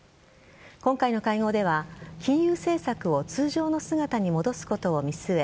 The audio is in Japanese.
今回の会合では金融政策を通常の姿に戻すことを見据え